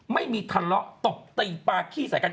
ไม่มีทะเลาะตบตีปลาขี้ใส่กัน